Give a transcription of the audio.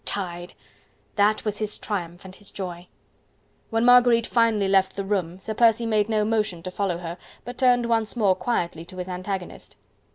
tied! That was his triumph and his joy! When Marguerite finally left the room, Sir Percy made no motion to follow her, but turned once more quietly to his antagonist.